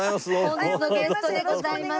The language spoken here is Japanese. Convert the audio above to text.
本日のゲストでございます。